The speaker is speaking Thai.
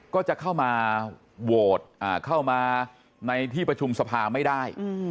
ก็จะเข้ามาโหวตเข้ามาในที่ประชุมสภาไม่ได้